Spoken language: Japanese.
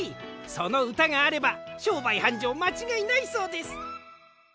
そのうたがあればしょうばいはんじょうまちがいないそうです。